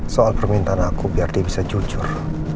soal permintaan aku biar dia bisa jujur